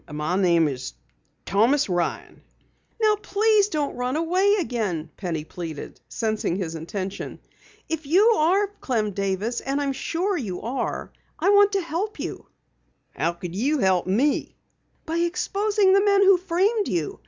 "My name is Thomas Ryan." "Now please don't run away again," Penny pleaded, sensing his intention. "If you are Clem Davis, and I'm sure you are, I want to help you." "How could you help me?" "By exposing the men who framed you.